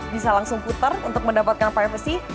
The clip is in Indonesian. bisa langsung putar untuk mendapatkan privacy